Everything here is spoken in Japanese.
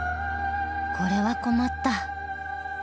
これは困った。